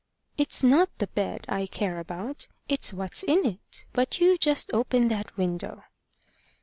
"It's not the bed I care about: it's what is in it. But you just open that window."